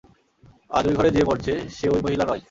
আজ ওই ঘরে যে মরছে, সে ওই মহিলা নয়।